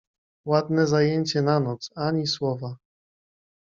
— Ładne zajęcie na noc, ani słowa!